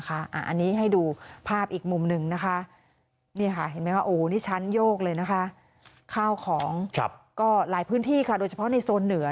อันนี้ให้ดูภาพอีกมุมหนึ่งนี่ชั้นโยกเลยข้าวของก็หลายพื้นที่โดยเฉพาะในโซนเหนือ